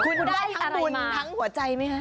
คุณได้ทั้งบุญทั้งหัวใจไหมคะ